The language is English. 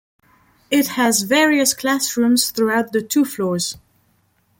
It has various classrooms throughout the two floors.